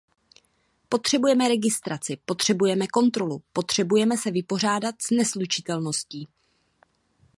Potřebujeme registraci, potřebujeme kontrolu, potřebujeme se vypořádat s neslučitelností.